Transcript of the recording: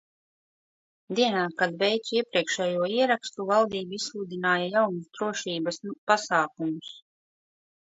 Dienā, kad veicu iepriekšējo ierakstu, valdība izsludināja jaunus drošības pasākumus.